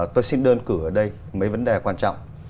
tôi xin đơn cử ở đây mấy vấn đề quan trọng